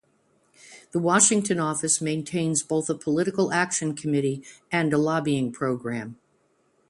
The Washington office maintains both a Political Action Committee and a lobbying program.